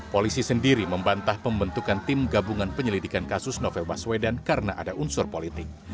polisi sendiri membantah pembentukan tim gabungan penyelidikan kasus novel baswedan karena ada unsur politik